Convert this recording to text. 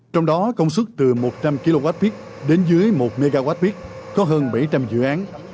trong đó công suất từ một trăm linh kwh đến dưới một mwpit có hơn bảy trăm linh dự án